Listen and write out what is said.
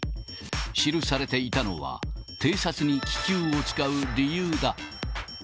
記されていたのは、偵察に気球を使う理由だ。